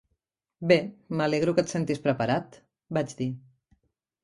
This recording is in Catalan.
"Bé, M'alegro que et sentis preparat", vaig dir.